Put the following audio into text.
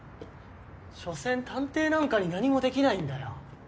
しょせん探偵なんかに何もできないんだよ。